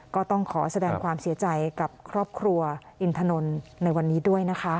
ก็ต้องขอแสดงความเสียใจกับครอบครัวอินถนนในวันนี้ด้วยนะคะ